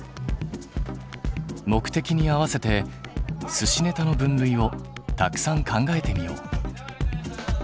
目的に合わせてすしネタの分類をたくさん考えてみよう。